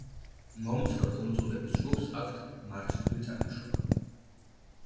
მომცრო კუნძულების ჯგუფს აქვთ მარჯნული წარმოშობა.